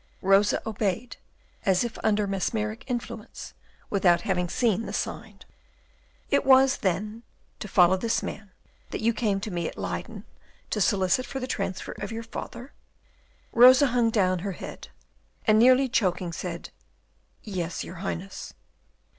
Rosa obeyed, as if under mesmeric influence, without having seen the sign. "It was, then to follow this man that you came to me at Leyden to solicit for the transfer of your father?" Rosa hung down her head, and, nearly choking, said, "Yes, your Highness."